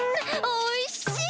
おいしい！